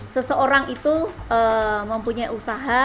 seseorang itu mempunyai usaha